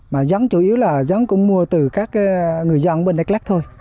mà giống chủ yếu là giống cũng mua từ các người dân bên đắk lắc thôi